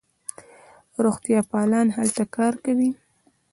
روغتیاپالان هلته کار کوي.